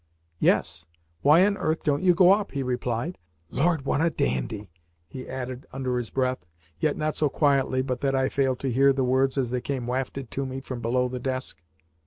"Yes. Why on earth don't you go up?" he replied. "Lord, what a dandy!" he added under his breath, yet not so quietly but that I failed to hear the words as they came wafted to me from below the desk.